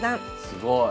すごい。